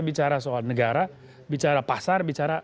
bicara soal negara bicara pasar bicara